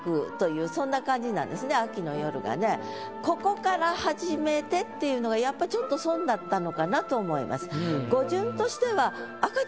ここから始めてっていうのがやっぱちょっと損だったのかなと思います。